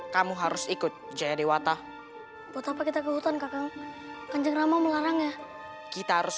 kamu harus ikut jaya dewata buat apa kita ke hutan kakang kanjengrama melarangnya kita harus